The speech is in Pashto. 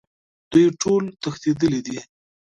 دوی ټول تښتیدلي دي